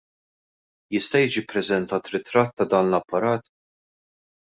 Jista' jiġi ppreżentat ritratt ta' dan l-apparat?